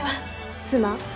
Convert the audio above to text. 「妻？